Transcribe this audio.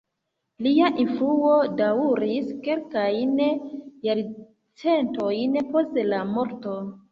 Lia influo daŭris kelkajn jarcentojn post la morto.